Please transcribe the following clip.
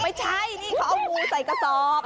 ไม่ใช่นี่เขาเอางูใส่กระสอบ